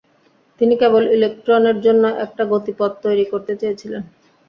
তিনি কেবল ইলেকট্রনের জন্য একটা গতিপথ তৈরি করতে চেয়েছিলেন।